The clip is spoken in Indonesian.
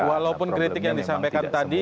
walaupun kritik yang disampaikan tadi